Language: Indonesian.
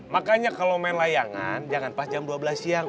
makanya kalau main layangan jangan pas jam dua belas siang